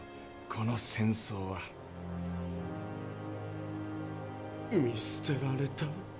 この戦争は。見捨てられた？